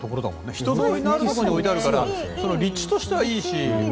人通りのあるところに置いてあるから立地としてはいいし。